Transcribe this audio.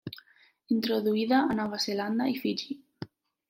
Introduïda a Nova Zelanda i Fiji.